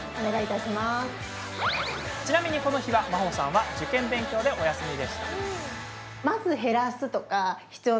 ちなみに、この日は麻帆さんは受験勉強でお休み。